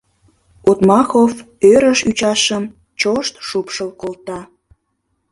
— Отмахов ӧрыш ӱчашым чошт шупшыл колта.